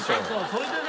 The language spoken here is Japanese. それでね。